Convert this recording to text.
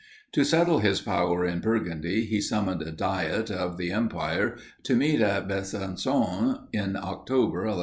To settle his power in Burgundy, he summoned a Diet of the Empire to meet at Besancon, in October, 1157.